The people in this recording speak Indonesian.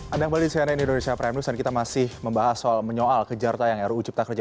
anda kembali di cnn indonesia prime news dan kita masih membahas soal menyoal kejar tayang ruu cipta kerja